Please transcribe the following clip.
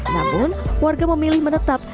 namun warga memilih menetap